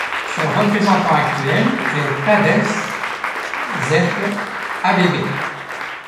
Son représentant actuel est Tadesse Zewde Abebe.